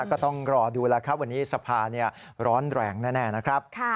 ก็ต้องรอดูแล้วครับวันนี้สภาร้อนแรงแน่นะครับ